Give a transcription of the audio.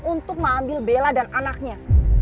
untuk mengambil bela dan anaknya